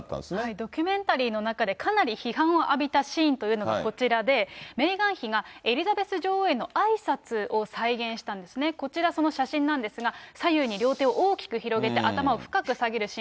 ドキュメンタリーの中でかなり批判を浴びたシーンというのがこちらで、メーガン妃がエリザベス女王のあいさつを再現したんですね、こちら、その写真なんですが、左右に両手を大きく広げて、頭を深く下げるシーン。